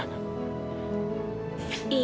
kamu nanti lagi